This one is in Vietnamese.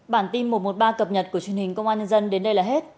bản tin một trăm một mươi ba cập nhật của truyền hình công an nhân dân đến đây là hết